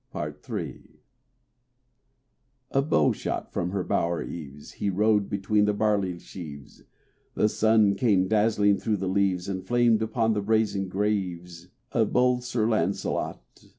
t RAINBOW GOLD PART III A bow shot from her bower eaves, He rode between the barley sheaves, The sun came dazzling through the leaves And flamed upon the brazen greaves Of bold Sir Lancelot.